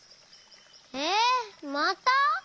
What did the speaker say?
えっまた？